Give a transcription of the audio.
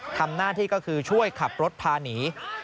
ทำหน้าที่ก็คือช่วยขับรถพาหนี